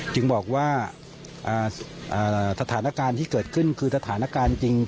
จึงบอกว่าสถานการณ์ที่เกิดขึ้นคือสถานการณ์จริง